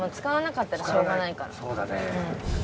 そうだね。